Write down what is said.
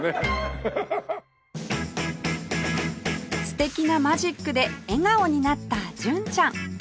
素敵なマジックで笑顔になった純ちゃん